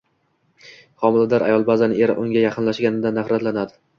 Homilador ayol ba’zan eri unga yaqinlashganida nafratlanadi.